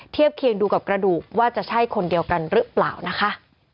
เทียบเคียงดูกับกระดูกว่าจะใช่คนเดียวกันหรือเปล่านะคะ